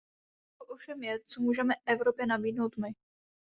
Otázkou ovšem je, co můžeme Evropě nabídnout my.